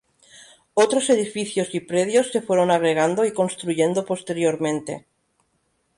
Otros edificios y predios se fueron agregando y construyendo posteriormente.